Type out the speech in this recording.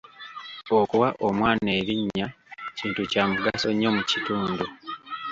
Okuwa omwana erinnya kintu kya mugaso nnyo mu kitundu.